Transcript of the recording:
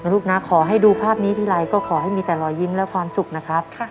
ลูกนะขอให้ดูภาพนี้ทีไรก็ขอให้มีแต่รอยยิ้มและความสุขนะครับ